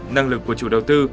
năng lực của chủ đầu tư